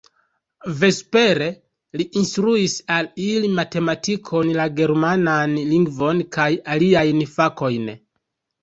Vespere li instruis al ili matematikon, la germanan lingvon kaj aliajn fakojn.